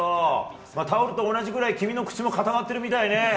タオルと同じくらい君の口も固まってるみたいね。